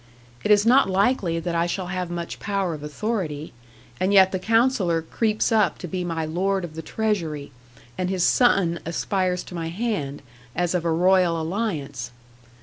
It is not likely that I shall have much power of authority; and yet the Counsellor creeps up to be my Lord of the Treasury; and his son aspires to my hand, as of a Royal alliance.